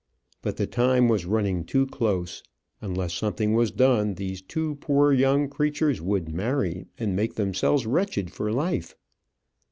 But the time was running too close: unless something was done, these two poor young creatures would marry, and make themselves wretched for life.